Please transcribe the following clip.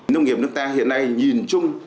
nông nghiệp nước ta hiện nay nhìn chung